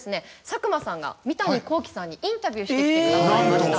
佐久間さんが三谷幸喜さんにインタビューしてきてくださいました。